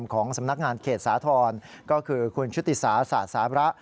ของสำนักงานเขตสาธรณ์ก็คือคุณชุติศาสสาบระ